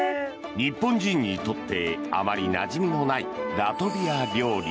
日本人にとってあまりなじみのないラトビア料理。